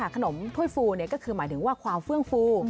ถ้วยฟูก็คือหมายถึงว่าความเฟื่องฟู